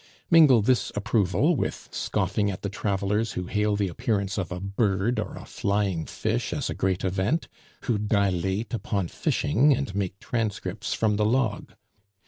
Mingle this approval with scoffing at the travelers who hail the appearance of a bird or a flying fish as a great event, who dilate upon fishing, and make transcripts from the log.